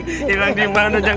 hilang dimana jang